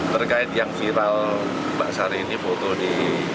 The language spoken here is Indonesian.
berkait yang viral mbak syahrini foto di